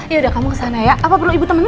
yaudah kamu kesana ya apa perlu ibu temennya